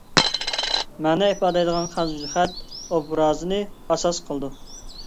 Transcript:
مەنە ئىپادىلەيدىغان خەنزۇچە خەت ئوبرازىنى ئاساس قىلىدۇ.